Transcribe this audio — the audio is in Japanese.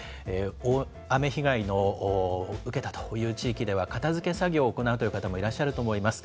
大雨被害を受けたという地域では、片づけ作業を行うという方もいらっしゃると思います。